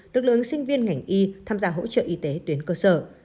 lực lượng sinh viên ngành y tham gia hỗ trợ y tế tuyến cơ sở